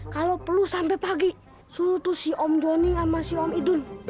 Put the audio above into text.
kalau perlu sampai pagi suruh tuh si om joni sama si om idun